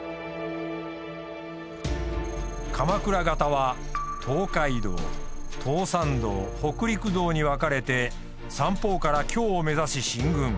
鎌倉方は東海道東山道北陸道に分かれて３方から京を目指し進軍。